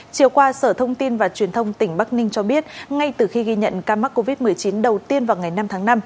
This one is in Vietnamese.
chiều qua sở thông tin và truyền thông tỉnh bắc ninh cho biết ngay từ khi ghi nhận ca mắc covid một mươi chín đầu tiên vào ngày năm tháng năm